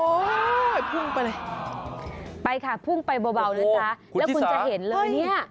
พุ่งไปเลยไปค่ะพุ่งไปเบานะจ๊ะแล้วคุณจะเห็นเลยเนี่ย